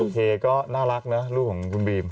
เคก็น่ารักนะลูกของคุณบีม